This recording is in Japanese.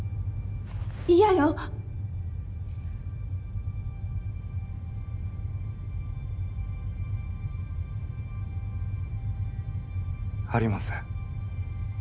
嫌よ！ありません。